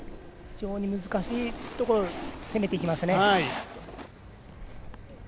非常に難しいところを攻めていきましたね。